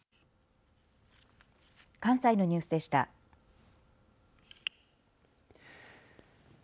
関西のニュースでした。